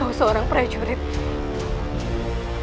kau masih memanggilku gusti ratu